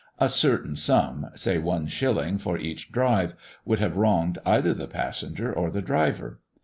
A certain sum, say one shilling for each drive, would have wronged either the passenger or the driver.